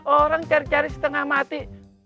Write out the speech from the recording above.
orang cari cari setengah mati